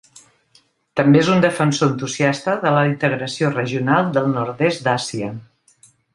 També és un defensor entusiasta de la integració regional del nord-est d'Àsia.